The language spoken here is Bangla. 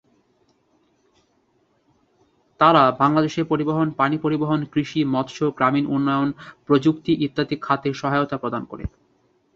তারা বাংলাদেশে পরিবহন, পানি পরিবহন, কৃষি, মৎস্য, গ্রামীণ উন্নয়ন, প্রযুক্তি ইত্যাদি খাতে সহায়তা প্রদান করে।